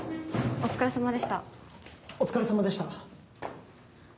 お疲れさまでした。